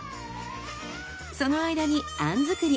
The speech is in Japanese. その間にあん作り。